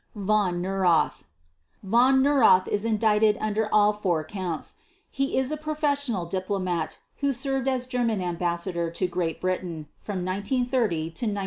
VON NEURATH Von Neurath is indicted under all four Counts. He is a professional diplomat who served as German Ambassador to Great Britain from 1930 to 1932.